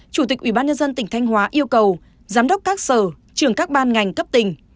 chủ tịch ubnd tỉnh thanh hóa yêu cầu giám đốc các sở trường các ban ngành cấp tỉnh